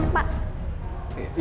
dok gimana keadaan kandungan ini